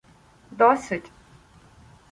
Досить!.